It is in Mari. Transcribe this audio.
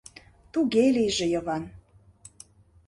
Туге лийже, Йыван.